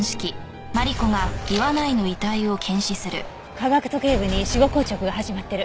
下顎と頸部に死後硬直が始まってる。